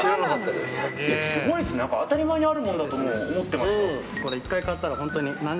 すごいですね当たり前にあるもんだともう思ってました。